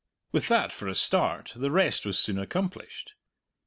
With that for a start the rest was soon accomplished.